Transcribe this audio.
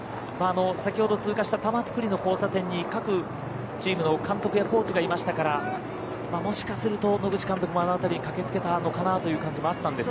先ほど通過した玉造の交差点に各チームの監督やコーチがいましたからもしかすると野口監督も駆けつけたのかなという。